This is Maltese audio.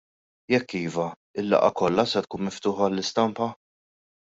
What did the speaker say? Jekk iva, il-laqgħa kollha se tkun miftuħa għall-istampa?